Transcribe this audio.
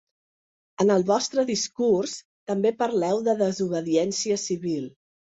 En el vostre discurs també parleu de desobediència civil.